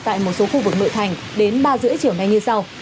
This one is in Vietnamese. tại một số khu vực nội thành đến ba năm chiều nay như sau